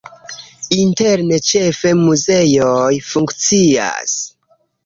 Interne ĉefe muzeoj funkcias.